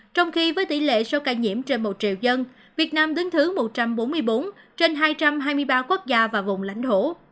trong khi với tỷ lệ số ca nhiễm trên một triệu dân việt nam đứng thứ một trăm bốn mươi bốn trên hai trăm hai mươi ba quốc gia và vùng lãnh thổ